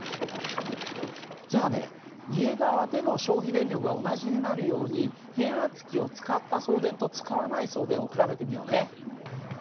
じゃあね家側での消費電力が同じになるように変圧器を使った送電と使わない送電を比べてみようね。